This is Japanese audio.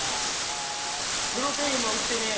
プロテインも売ってねえ。